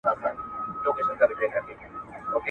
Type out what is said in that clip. د هغه له ستوني دا ږغ پورته نه سي `